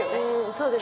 そうです